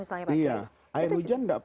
misalnya pak iya air hujan tidak apa apa